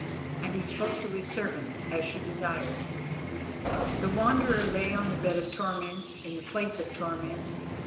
And he spoke to his servants as she desired. The Wanderer lay on the bed of torment in the place of torment.